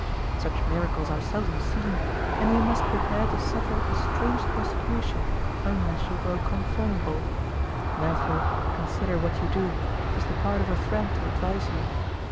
Such miracles are seldom seen, and you must prepare to suffer a strange persecution unless you grow conformable; therefore consider what you do, 'tis the part of a friend to advise you.